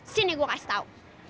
sini gue kasih tau